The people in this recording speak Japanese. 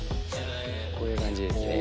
こういう感じですね。